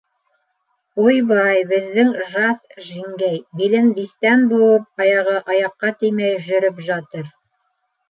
— Уйбай, бездең жас жиңгәй, билен бистән быуып, аяғы аяҡҡа теймәй жөрөп жатыр?